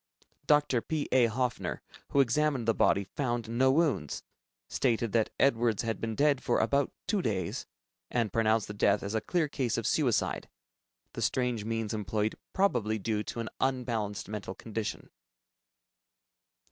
Dr. P. A. Hofner, who examined the body, found no wounds, stated that Edwards had been dead for about two days, and pronounced the death as a clear case of suicide, the strange means employed probably due to an unbalanced mental condition.